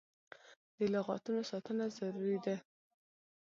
د لغتانو ساتنه ضروري ده.